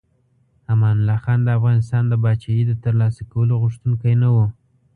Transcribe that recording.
امان الله خان د افغانستان د پاچاهۍ د ترلاسه کولو غوښتونکی نه و.